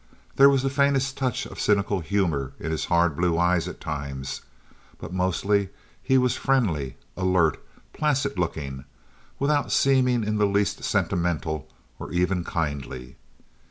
There was the faintest touch of cynical humor in his hard blue eyes at times; but mostly he was friendly, alert, placid looking, without seeming in the least sentimental or even kindly.